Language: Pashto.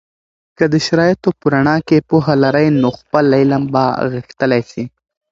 که د شرایطو په رڼا کې پوهه لرئ، نو خپل علم به غښتلی سي.